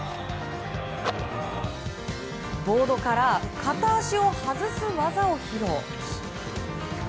ボードから片足を外す技を披露。